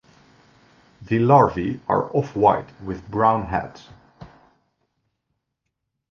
The larvae are off-white with brown heads.